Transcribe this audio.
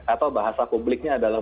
atau bahasa publiknya adalah